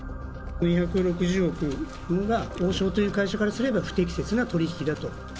２６０億が、王将という会社からすれば不適切な取り引きだと。